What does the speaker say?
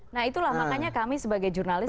nah itulah makanya kami sebagai jurnalis